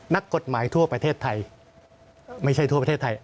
นักกฎหมายทั่วประเทศไทยไม่ใช่ทั่วประเทศไทย